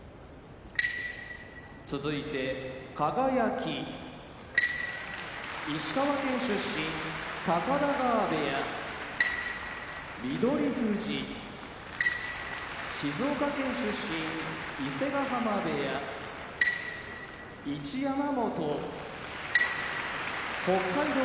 輝石川県出身高田川部屋翠富士静岡県出身伊勢ヶ濱部屋一山本北海道